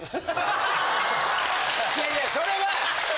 いやいやそれは！